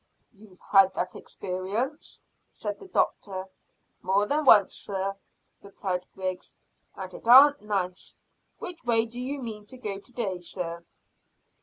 "You've had that experience?" said the doctor. "More'n once, sir," replied Griggs, "and it aren't nice. Which way do you mean to go to day, sir?"